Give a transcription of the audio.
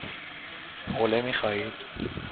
حوله می خواهید؟